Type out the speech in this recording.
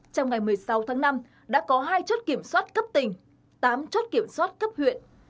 trong ngày một mươi sáu tháng năm đã có hai chốt kiểm soát cấp tỉnh tám chốt kiểm soát cấp huyện